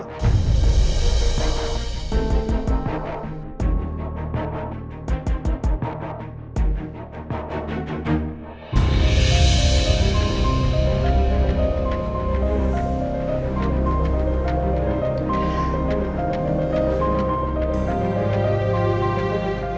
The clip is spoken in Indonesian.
ya udah kakak